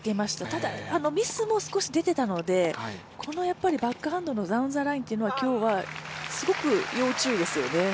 ただ、ミスも少し出ていたのでこのバックハンドのダウンザラインというのは今日はすごく要注意ですよね。